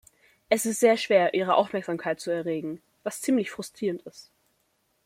Es ist sehr schwer, Ihre Aufmerksamkeit zu erregen, was ziemlich frustrierend ist.